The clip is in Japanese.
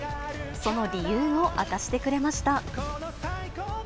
その理由を明かしてくれました。